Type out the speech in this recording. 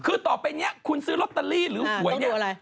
คือต่อไปนี้คุณซื้อลอตเตอรี่หรือหวยเนี่ย